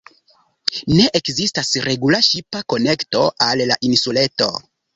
Ne ekzistas regula ŝipa konekto al la insuleto.